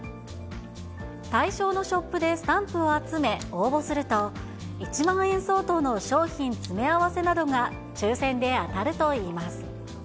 対象のショップでスタンプを集め応募すると、１万円相当の賞品詰め合わせなどが抽せんで当たるといいます。